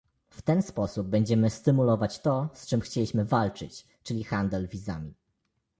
W ten sposób będziemy stymulować to, z czym chcieliśmy walczyć, czyli handel wizami